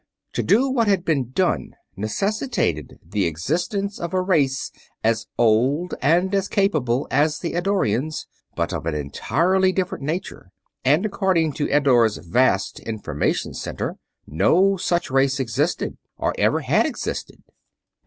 To do what had been done necessitated the existence of a race as old and as capable as the Eddorians, but of an entirely different nature; and, according to Eddore's vast Information Center, no such race existed or ever had existed.